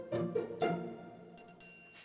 ya kita bisa ke rumah